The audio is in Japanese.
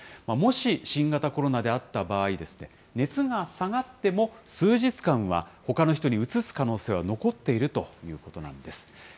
もし新型コロナであった場合、熱が下がっても数日間はほかの人にうつす可能性は残っているということなんです。